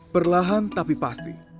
perlahan tapi pasti